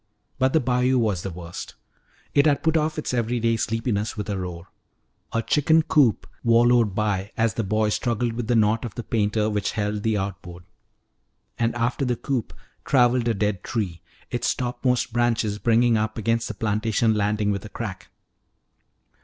But the bayou was the worst. It had put off its everyday sleepiness with a roar. A chicken coop wallowed by as the boy struggled with the knot of the painter which held the outboard. And after the coop traveled a dead tree, its topmost branches bringing up against the plantation landing with a crack.